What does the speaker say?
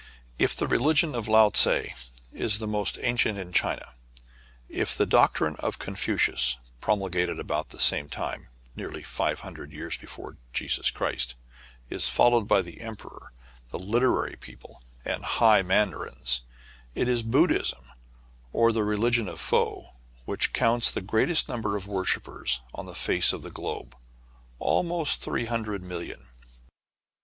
FOUR CITIES IN ONE. 157 If the religion of Lao Tse is the most ancient in China ; if the doctrine of Confucius, promulgated about the same time (nearly five hundred years before Jesus Christ), is followed by the emperor, the literary people, and high mandarins, — it is Buddhism, or the religion of Fo, which counts the greatest number of worshippers on the face of the globe, — almost three hundred million.